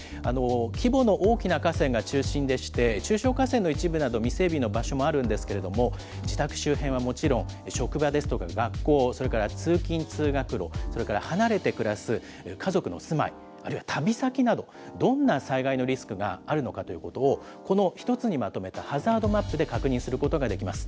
規模の大きな河川が中心でして、中小河川の一部など未整備の場所もあるんですけれども、自宅周辺はもちろん、職場ですとか学校、それから通勤通学路、それから離れて暮らす家族の住まい、あるいは旅先など、どんな災害のリスクがあるのかということを、この一つにまとめたハザードマップで確認することができます。